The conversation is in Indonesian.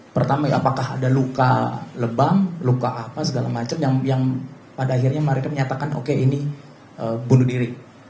pertama apakah ada luka lebam luka apa segala macam yang pada akhirnya mereka menyatakan oke ini bunuh diri